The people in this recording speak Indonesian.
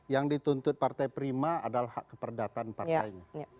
yang dituntut partai prima adalah hak keperdataan partainya